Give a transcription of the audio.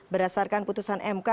berdasarkan putusan mk